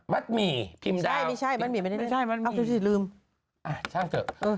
มัดมี่พิมพ์ดัง